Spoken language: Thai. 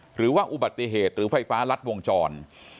หรือว่าอุบัติเหตุหรือไฟฟ้ารัดวงจร